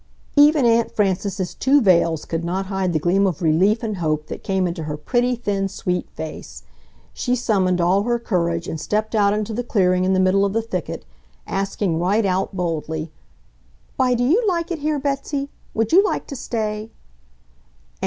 Even Aunt Frances's two veils could not hide the gleam of relief and hope that came into her pretty, thin, sweet face. She summoned all her courage and stepped out into the clearing in the middle of the thicket, asking right out, boldly, "Why, do you like it here, Betsy? Would you like to stay?"